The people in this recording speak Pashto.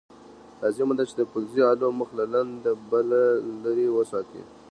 لازمه ده چې د فلزي الو مخ له لنده بل لرې وساتئ.